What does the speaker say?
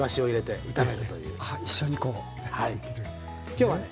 今日はね